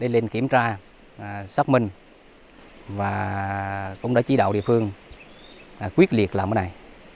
lên kiểm tra xác minh và cũng đã chỉ đạo địa phương quyết liệt làm cái này